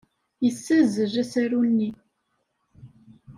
Yessazzel asaru-nni.